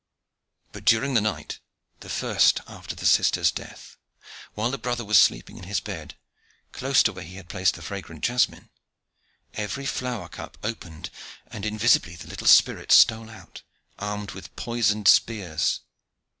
But during the night, the first after the sister's death, while the brother was sleeping in his bed, close to where he had placed the fragrant jasmine, every flower cup opened, and invisibly the little spirits stole out, armed with poisonous spears.